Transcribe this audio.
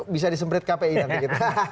bisa disemret kpi nanti